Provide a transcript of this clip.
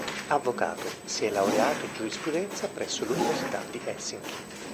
Avvocato, si è laureato in giurisprudenza presso l'Università di Helsinki.